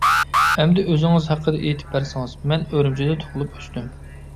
-ئەمدى ئۆزىڭىز ھەققىدە ئېيتىپ بەرسىڭىز؟ -مەن ئۈرۈمچىدە تۇغۇلۇپ ئۆستۈم.